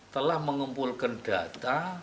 telah mengumpulkan data